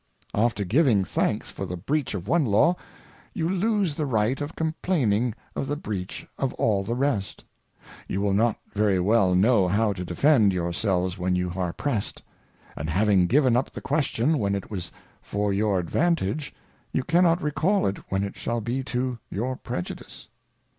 After giving Thanks for the Breach of one Law, you lose the Right of Complaining of the Breach of all the rest ; you will not very well know how to defend your selves when youj are pressed ; and having given up the Question when it wasj for your Advantage, you cannot re call it when it shall be to your Prejudice.